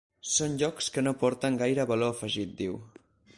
“Són llocs que no aporten gaire valor afegit”, diu.